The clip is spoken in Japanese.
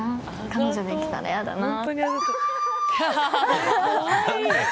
彼女できたら嫌だな。